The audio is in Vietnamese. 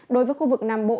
đối với khu vực nam bộ